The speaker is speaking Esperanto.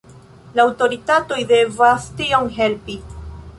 La aŭtoritatoj devas tion helpi.